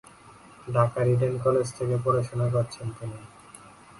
ঢাকার Eden college থেকে পড়াশোনা করেছেন তিনি।